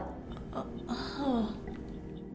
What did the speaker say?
あっ、はあ。